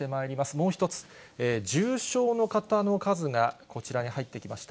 もう一つ、重症の方の数がこちらに入ってきました。